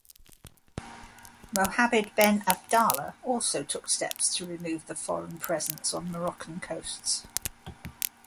Mohammed ben Abdallah also took steps to remove the foreign presence on Moroccan coasts.